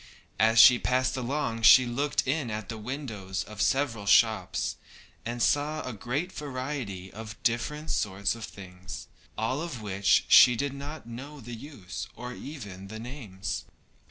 As she passed along she looked in at the windows of several shops, and saw a great variety of different sorts of things, of which she did not know the use or even the names.